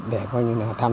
để tham gia giao thông